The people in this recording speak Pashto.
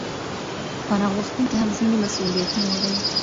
پناه غوښتونکي هم ځينې مسووليتونه لري.